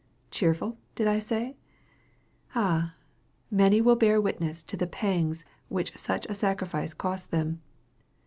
Cheerful, did I say? Ah! many will bear witness to the pangs which such a sacrifice costs them.